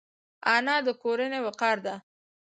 انا د کورنۍ وقار ده